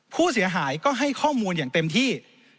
ผู้เสียหายก็ให้ข้อมูลอย่างเต็มที่